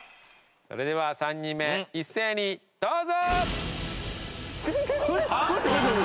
それでは３人目一斉にどうぞ！はあ？